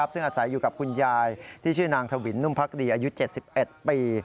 ซึ่งอาศัยอยู่กับคุณยายที่ชื่อนางถวินนุ่มพักดีอายุ๗๑ปี